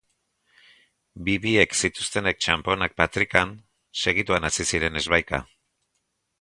Bi-biek zituztenez txanponak patrikan, segituan hasi ziren ezbaika.